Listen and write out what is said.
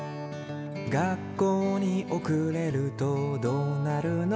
「学校におくれるとどうなるの？」